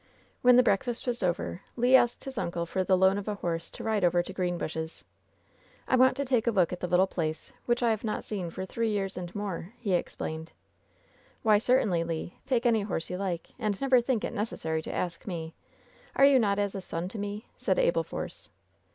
When the breakfast was over, Le asked his uncle for the loan of a horse to ride over to Greenbushes. "I want to take a look at the little place, which I have not seen for three years and more," he explained. "Why, certainly, Le. Take any horse you like. And never think it necessary to ask me. Are you not as a son to me ?" said Abel Force.